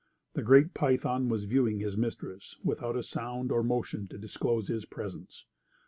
The great python was viewing his mistress without a sound or motion to disclose his presence.